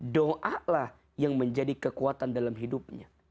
doa lah yang menjadi kekuatan dalam hidupnya